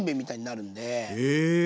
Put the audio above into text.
へえ。